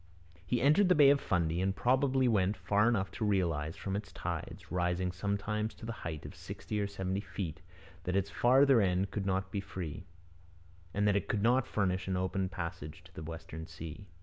He entered the Bay of Fundy, and probably went far enough to realize from its tides, rising sometimes to a height of sixty or seventy feet, that its farther end could not be free, and that it could not furnish an open passage to the Western Sea.